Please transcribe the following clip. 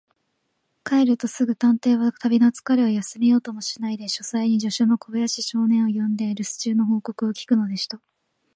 帰るとすぐ、探偵は旅のつかれを休めようともしないで、書斎に助手の小林少年を呼んで、るす中の報告を聞くのでした。